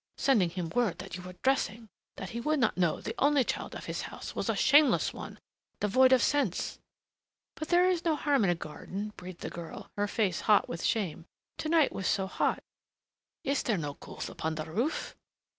sending him word that you were dressing that he should not know the only child of his house was a shameless one, devoid of sense." "But there is no harm in a garden," breathed the girl, her face hot with shame. "To night was so hot " "Is there no coolth upon the roof?"